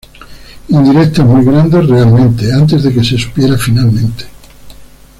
Indirectas muy grandes realmente, antes de que se supiera finalmente.